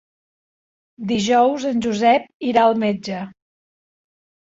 Dijous en Josep irà al metge.